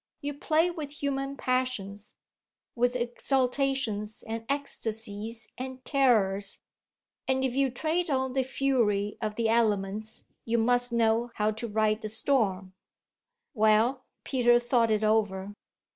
You play with human passions, with exaltations and ecstasies and terrors, and if you trade on the fury of the elements you must know how to ride the storm." Well, Peter thought it over.